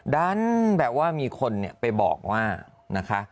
ดันแบบว่ามีคนไปบอกว่านะคะ